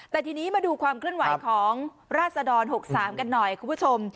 แต่ทีนี้มาดูความเคลื่อนไหวของราศดร๖๓กันหน่อยคุณผู้ชม